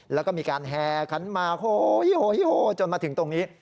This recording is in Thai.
แล้วก็มีการแห่ขันมาโฮฮิโฮฮิโฮจนมาถึงตรงนี้